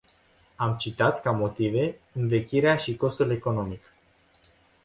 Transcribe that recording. Am citat ca motive învechirea și costul economic.